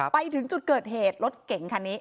ไปถึงจุดเกิดเหตุรถเก่งคันนี้